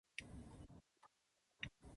文章の収集に協力中だよ